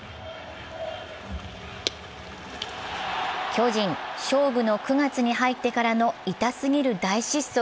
巨人、勝負の９月に入ってからの痛すぎる大失速。